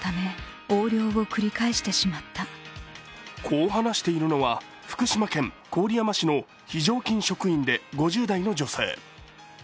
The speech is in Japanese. こう話しているのは、福島県郡山市の非常勤職員で５０代の女性。